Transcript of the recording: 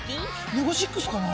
ネゴシックスかな？